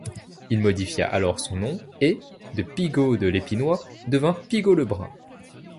Il modifia alors son nom et, de Pigault de l’Épinoy devint Pigault-Lebrun.